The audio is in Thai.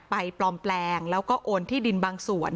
ปลอมแปลงแล้วก็โอนที่ดินบางส่วน